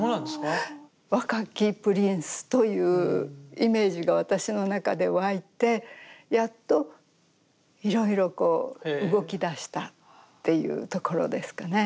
若きプリンスというイメージが私の中で湧いてやっといろいろこう動きだしたっていうところですかね。